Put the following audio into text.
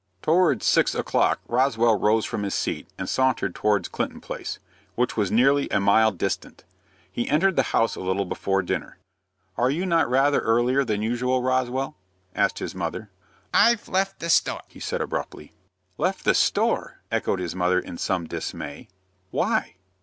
Towards six o'clock Roswell rose from his seat, and sauntered towards Clinton Place, which was nearly a mile distant. He entered the house a little before dinner. "Are you not earlier than usual, Roswell?" asked his mother. "I've left the store," he said, abruptly. "Left the store!" echoed his mother, in some dismay. "Why?"